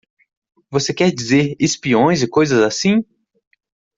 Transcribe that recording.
Você quer dizer espiões e coisas assim?